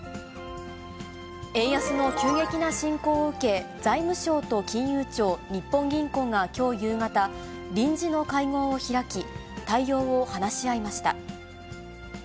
円安の急激な進行を受け、財務省と金融庁、日本銀行がきょう夕方、臨時の会合を開き、対応を話し合いました。